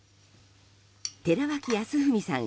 寺脇康文さん